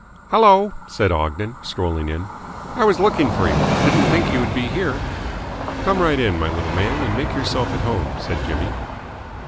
"Hello," said Ogden, strolling in. "I was looking for you. Didn't think you would be here." "Come right in, my little man, and make yourself at home," said Jimmy.